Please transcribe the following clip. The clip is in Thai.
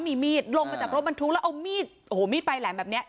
มีมีดลงมาจากรถบรรทุกแล้วเอามีดโอ้โหมีดปลายแหลมแบบเนี้ย